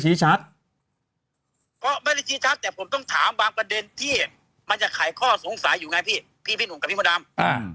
พี่หนุ่มกับพี่พ่อดำ